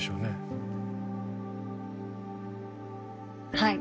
はい。